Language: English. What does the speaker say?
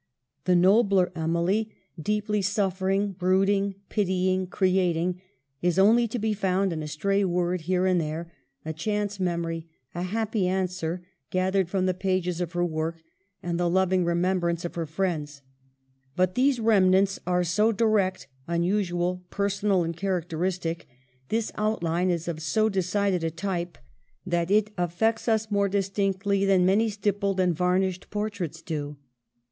The nobler Emily, deeply suffering, brood ing, pitying, creating, is only to be found in a stray word here and there, a chance memory, a happy answer, gathered from the pages of her work, and the loving remembrance of her friends; but these remnants are so direct, unusual, per sonal, and characteristic, this outline is of so de cided a type, that it affects us more distinctly than many stippled and varnished portraits do.